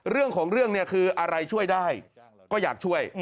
เรื่องของเรื่องเนี่ยคืออะไรช่วยได้ก็อยากช่วย